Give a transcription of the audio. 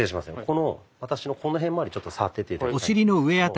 この私のこの辺まわりちょっと触ってて頂きたいんですけども。